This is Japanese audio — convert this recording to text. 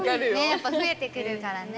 やっぱ増えてくるからね。